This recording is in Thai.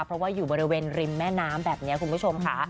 เพราะว่าอยู่บริเวณริมแม่น้ำแบบนี้คุณผู้ชมค่ะ